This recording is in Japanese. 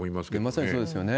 まさにそうですよね。